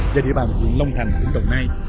và địa bàn vườn long thành tỉnh đồng nai